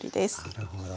なるほど。